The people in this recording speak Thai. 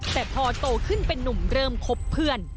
แต่พอโตขึ้นเป็นนุ่มเริ่มคบเพื่อน